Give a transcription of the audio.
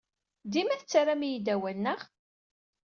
Dima tettarram-iyi-d awal, naɣ?